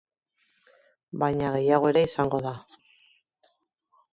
Baina gehiago ere izango da.